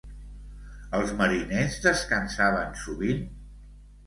Els mariners descansaven sovint?